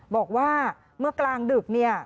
บอกว่าเมื่อกลางดึกเนี่ย